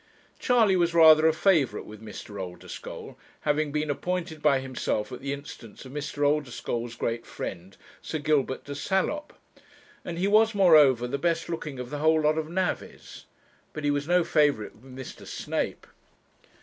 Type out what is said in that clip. Charley was rather a favourite with Mr. Oldeschole, having been appointed by himself at the instance of Mr. Oldeschole's great friend, Sir Gilbert de Salop; and he was, moreover, the best looking of the whole lot of navvies; but he was no favourite with Mr. Snape.